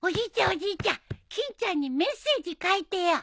おじいちゃん欽ちゃんにメッセージ書いてよ。